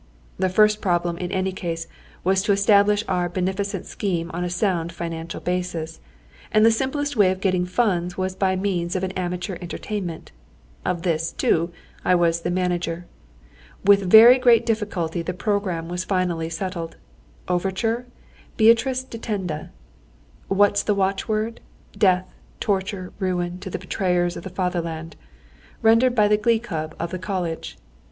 The first problem in any case was to establish our beneficent scheme on a sound, financial basis, and the simplest way of getting funds was by means of an amateur entertainment. Of this, too, I was the manager. With very great difficulty the programme was finally settled. Overture: Beatrice di Tenda. "What's the watchword? Death, torture, ruin, to the betrayers of the fatherland!" rendered by the glee club of the College.